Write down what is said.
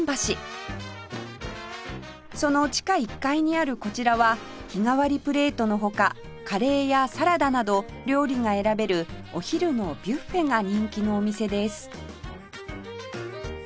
その地下１階にあるこちらは日替わりプレートの他カレーやサラダなど料理が選べるお昼のビュッフェが人気のお店です